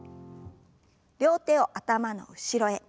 両手を頭の後ろへ。